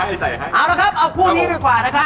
เอาละครับเอาคู่นี้ดีกว่านะครับ